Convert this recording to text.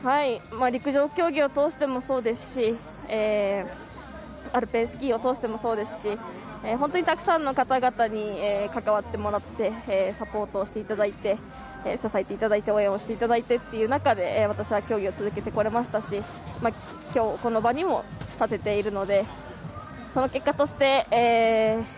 陸上競技を通してもそうですしアルペンスキーを通してもそうですし本当にたくさんの方々に関わってもらってサポートしていただいて支えていただいて応援していただいてという中で私は競技を続けてこられましたし今日、この場にも立てているので。